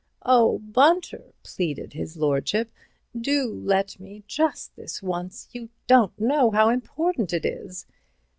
"Oh, Bunter," pleaded his lordship, "do let me—just this once. You don't know how important it is."